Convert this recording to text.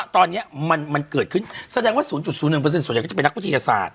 ที่สนใจ